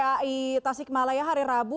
kpai tasikmalaya hari rabu